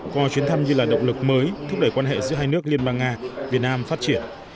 coi chuyến thăm như là động lực mới thúc đẩy quan hệ giữa hai nước liên bang nga việt nam phát triển